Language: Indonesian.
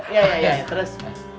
iya iya terus